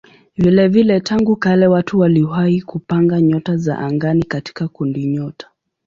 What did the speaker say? Vilevile tangu kale watu waliwahi kupanga nyota za angani katika kundinyota.